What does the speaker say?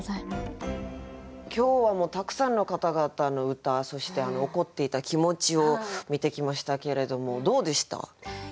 今日はもうたくさんの方々の歌そして怒っていた気持ちを見てきましたけれどもどうでした？